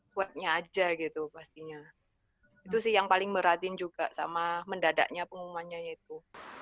kuatnya aja gitu pastinya itu sih yang paling beratin juga sama mendadaknya pengumumannya itu